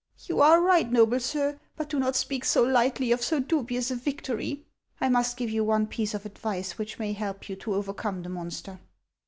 " You are right, noble sir ; but do not speak so lightly of so dubious a victory. I must give you one piece of advice which may help you to overcome the monster."